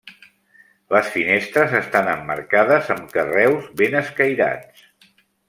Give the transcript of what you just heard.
Les finestres estan emmarcades amb carreus ben escairats.